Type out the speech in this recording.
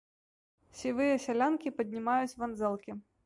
Сівыя сялянкі паднімаюць вандзэлкі.